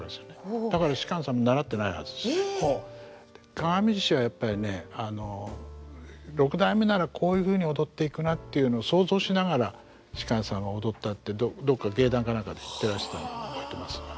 「鏡獅子」はやっぱりねあの六代目ならこういうふうに踊っていくなっていうのを想像しながら芝さんは踊ったってどっか芸談か何かで言ってらしたって言ってますね。